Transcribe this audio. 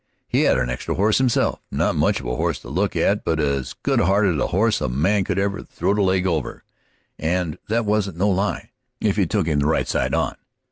He had an extra horse himself, not much of a horse to look at, but as good hearted a horse as a man ever throwed a leg over, and that wasn't no lie, if you took him the right side on.